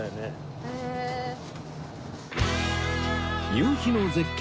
夕日の絶景